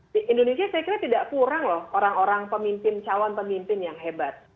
di indonesia saya kira tidak kurang loh orang orang pemimpin calon pemimpin yang hebat